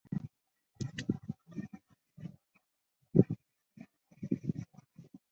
中兴巴士采用的车辆厂牌以日本制造的日野及三菱扶桑为主。